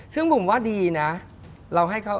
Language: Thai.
ซึ่งผมว่าดีนะ